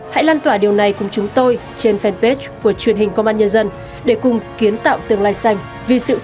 hãy lan tỏa điều này cùng chúng tôi trên fanpage của truyền hình công an nhân dân để cùng kiến tạo tương lai xanh vì sự phát triển bền vững của trái đất